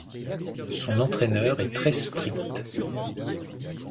Son entraineur est très strict.